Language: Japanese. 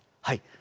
はい。